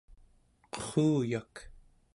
qerruyak